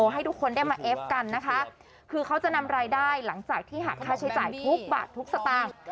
ให้ทุกคนได้มาเอฟกันนะคะคือเขาจะนำรายได้หลังจากที่หักค่าใช้จ่ายทุกบาททุกสตางค์